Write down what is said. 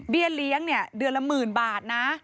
เบี้ยเลี้ยงเดือนละ๑๐๐๐๐บาทนะ